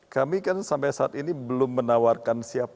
kami kan sampai saat ini belum menawarkan mas agus